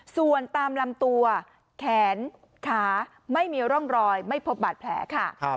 ส่วนตามลำตัวแขนขาไม่มีร่องรอยไม่พบบาดแผลค่ะ